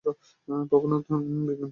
প্রধাণত বিজ্ঞান পড়ানো হয়ে থাকে।